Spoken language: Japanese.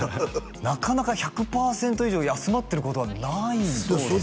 なかなか１００パーセント以上休まってることはないんですね